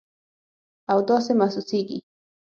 او داسې محسوسیږي